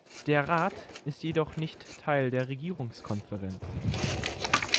Der Rat ist jedoch nicht Teil der Regierungskonferenz.